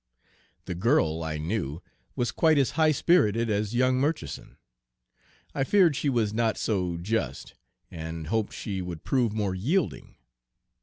The girl, I knew, was quite as high spirited as young Murchison. I feared she was not so just, and hoped she would prove more yielding.